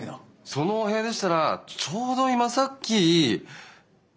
そのお部屋でしたらちょうど今さっき。